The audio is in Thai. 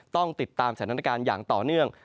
ต้องติดตามสถานการณ์อย่างต่อเนื่อง